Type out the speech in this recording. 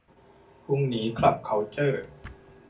พรุ่งนี้ คลับ คัลเจอร์